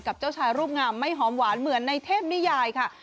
เจ้าชายรูปงามไม่หอมหวานเหมือนในเทพนิยายค่ะ